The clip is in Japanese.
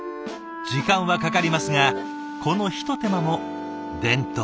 時間はかかりますがこのひと手間も伝統。